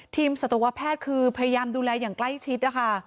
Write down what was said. ทีมศัตรูวะแพทย์คือพยายามดูแลอย่างใกล้ชิด